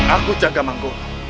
aku jaga manggo